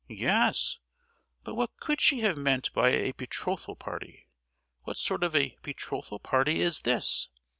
"Yes, but what could she have meant by a 'betrothal party?' What sort of a betrothal party is this?"